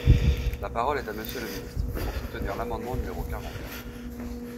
La parole est à Monsieur le ministre, pour soutenir l’amendement numéro quarante.